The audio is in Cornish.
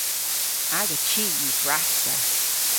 Aga chi yw brassa.